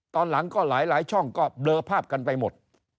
ตอนหลังก็หลายช่องก็เบลอภาพกันไปหมด